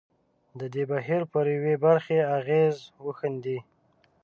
د دې بهیر پر یوې برخې اغېز وښندي.